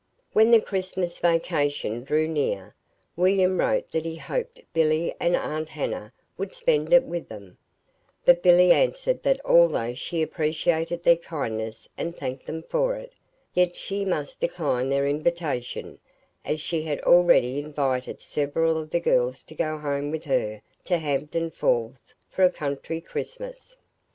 When the Christmas vacation drew near, William wrote that he hoped Billy and Aunt Hannah would spend it with them; but Billy answered that although she appreciated their kindness and thanked them for it, yet she must decline their invitation, as she had already invited several of the girls to go home with her to Hampden Falls for a country Christmas.